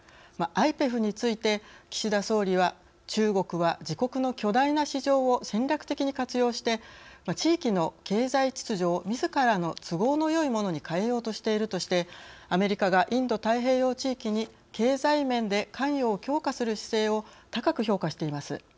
ＩＰＥＦについて、岸田総理は中国は、自国の巨大な市場を戦略的に活用して地域の経済秩序をみずからの都合のよいものに変えようとしているとしてアメリカがインド太平洋地域に経済面で関与を強化する姿勢を高く評価しています。